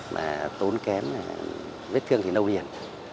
mà tốn kém vết thương thì nâu nhiệt